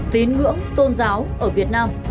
tín ngưỡng tôn giáo ở việt nam